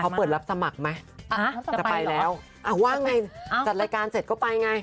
เขาเปิดรับสมัครไหมจะไปแล้วว่าไงจัดรายการเสร็จก็ไปไง